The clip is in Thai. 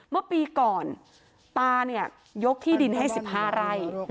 เมื่อปีก่อนตายกที่ดินให้๑๕ไร่